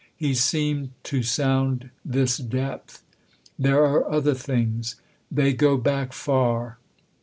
He seemed to sound this depth. "There are other things. They go back far."